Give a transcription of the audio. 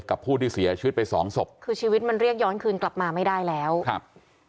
ผู้ที่เสียชีวิตไปสองศพคือชีวิตมันเรียกย้อนคืนกลับมาไม่ได้แล้วครับ